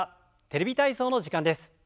「テレビ体操」の時間です。